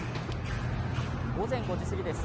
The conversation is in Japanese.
午前５時過ぎです。